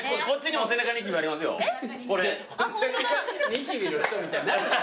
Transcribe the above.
背中ニキビの人みたいになる。